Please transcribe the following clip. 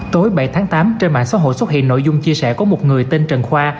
tối bảy tháng tám trên mạng xã hội xuất hiện nội dung chia sẻ của một người tên trần khoa